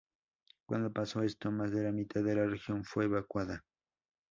Cuando pasó esto, más de la mitad de la región fue evacuada.